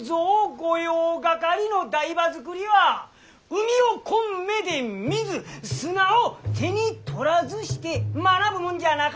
御用掛の台場作りは海をこん目で見ず砂を手に取らずして学ぶもんじゃあなか。